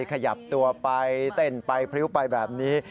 ขยับตัวไปเต้นไปพริ้วไปแบบนี้